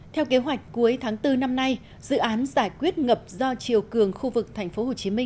theo kế hoạch cuối tháng bốn năm nay dự án giải quyết ngập do triều cường khu vực tp hcm